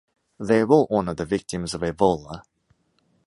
They will honor the victims of Ebola!